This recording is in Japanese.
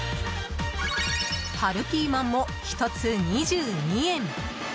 春ピーマンも１つ２２円。